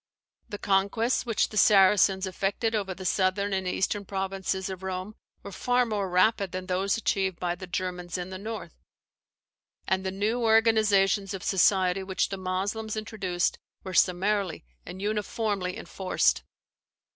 The conquests which the Saracens effected over the southern and eastern provinces of Rome were far more rapid than those achieved by the Germans in the north; and the new organizations of society which the Moslems introduced were summarily and uniformly enforced.